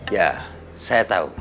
ya saya tau